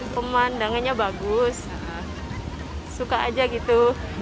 pemandangannya bagus suka aja gitu